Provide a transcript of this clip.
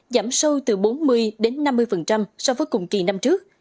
giảm sâu từ bốn mươi đến năm mươi so với cùng kỳ năm trước